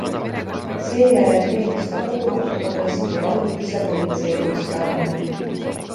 Seejärel teenis ta koduvahtkonnas ja ajutise politseikonstaablina.